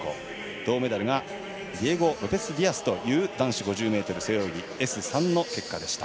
銅メダルがディエゴ・ロペスディアスという男子５０ｍ背泳ぎＳ３の結果でした。